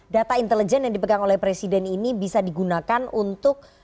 data intelijen yang dipegang oleh presiden ini bisa digunakan untuk